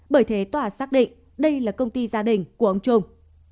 bởi thế tòa xác định đây là công ty gia đình của ông trung